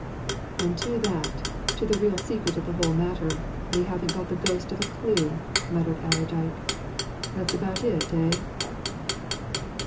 "And to that to the real secret of the whole matter we haven't the ghost of a clue!" muttered Allerdyke. "That's about it, eh?"